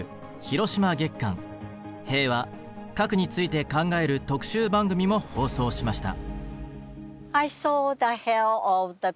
平和核について考える特集番組も放送しました。